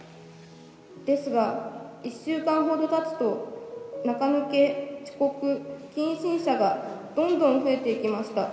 ですが１週間ほど経つと中抜け遅刻謹慎者がどんどん増えていきました。